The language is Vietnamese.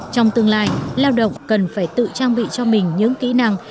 trong tương lai lao động cần phải tự trang bị cho mình những kỹ năng